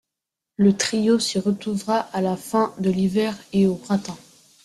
Le trio s'y retrouvera à la fin de l'hiver et au printemps.